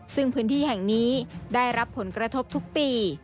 ซึ่งพื้นที่แห่งนี้ได้รับผลกระทบทุกปี